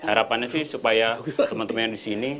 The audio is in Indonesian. harapannya sih supaya teman teman yang di sini